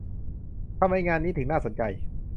ทำไมงานนี้ถึงน่าสนใจ